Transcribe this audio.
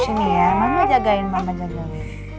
sini ya mama jagain mama jagawi